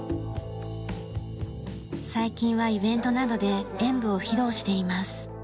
最近はイベントなどで演舞を披露しています。